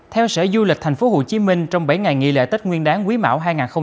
theo sở du lịch tp hcm trong bảy ngày nghỉ lễ tết nguyên đáng quý mão hai nghìn hai mươi bốn